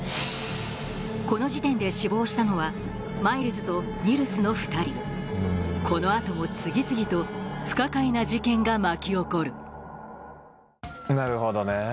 この時点で死亡したのはマイルズとニルスの２人この後も次々と不可解な事件が巻き起こるなるほどね。